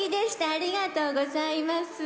ありがとうございます。